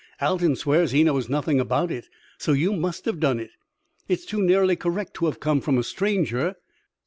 "Alton swears he knows nothing about it, so you must have done it. It is too nearly correct to have come from a stranger."